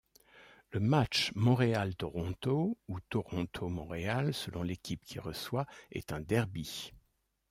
Le match Montréal-Toronto ou Toronto-Montréal, selon l'équipe qui reçoit, est un derby.